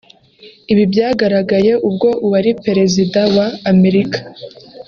Ibi byagaragaye ubwo uwari perezida wa Amerika